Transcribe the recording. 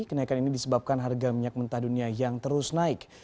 kenaikan ini disebabkan harga minyak mentah dunia yang terus naik